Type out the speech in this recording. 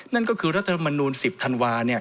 นั่นก็คือรัฐมนุน๑๐ธันวาเนี่ย